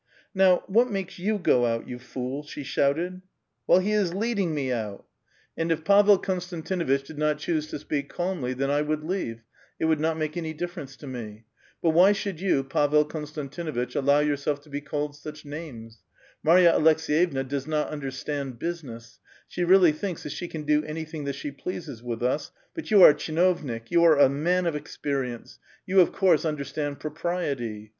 "Now, what makes you go out, you fool Idurah]?" she shouted. '* Well, he is leading me out !" A VITAL QUESTION. 145 '* And if Pavel Konstantinuitch did not choose to speak calmly, tbeu 1 would leave ; it would not make any ditfer ence to me. But why shoukl you, I'avel Konstantinuitch, allow yourself to be called such names? Marya Aleks<5yevna does not understand business ; she really thinks tluit siio can do anything that she pleases with us ; but you are a tchiiiovnik, 3'ou are a man of experience ; you of course understand propriety.